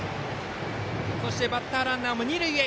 バッターランナーも二塁へ。